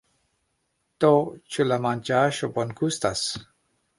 Do, ĉu la manĝaĵo bongustas?